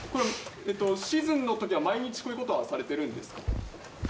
シーズンのときは毎日こういうことはされているんですか？